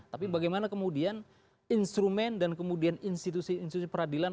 tapi bagaimana kemudian instrumen dan kemudian institusi institusi peradilan